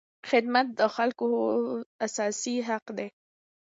خدمت د خلکو اساسي حق دی.